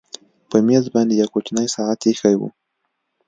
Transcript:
په مېز باندې یو کوچنی ساعت ایښی و